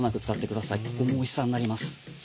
ここもおいしさになります。